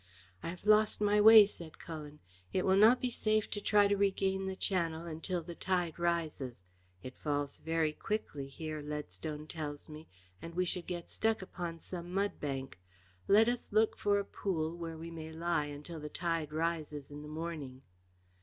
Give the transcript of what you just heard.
"I have lost my way," said Cullen. "It will not be safe to try to regain the channel until the tide rises. It falls very quickly here, Leadstone tells me, and we should get stuck upon some mudbank. Let us look for a pool where we may lie until the tide rises in the morning."